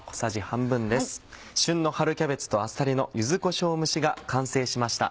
旬の「春キャベツとあさりの柚子こしょう蒸し」が完成しました。